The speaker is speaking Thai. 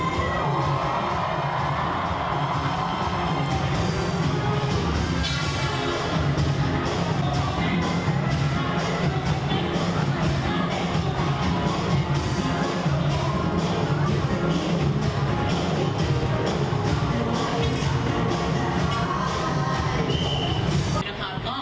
สำรวจการท่านทำร่างเจ็บของที่ได้เลยจ้า